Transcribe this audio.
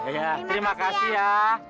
iya terima kasih ya